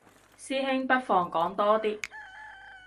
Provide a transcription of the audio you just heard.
師兄不妨講多啲